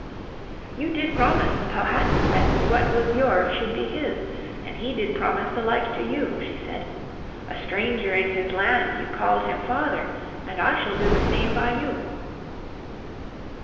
"You did promise the Powhatan that what was yours should be his, and he did promise the like to you," she said. "A stranger in his land you called him father, and I shall do the same by you."